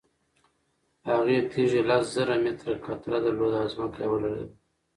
هغې تیږې لس زره متره قطر درلود او ځمکه یې ولړزوله.